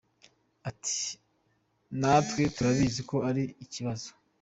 Ati “Natwe turabizi ko ari ikibazo.